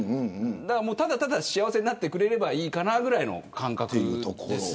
ただただ幸せになってくれればいいかなぐらいの感覚です。